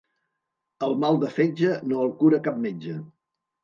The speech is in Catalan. El mal de fetge no el cura cap metge.